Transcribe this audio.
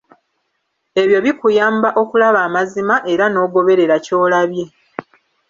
Ebyo bikuyamba okulaba amazima era n'ogoberera ky'olabye.